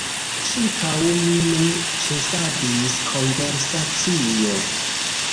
Ĉirkaŭ mi ne ĉesadis konversacio.